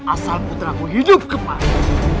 asal putraku hidup kembali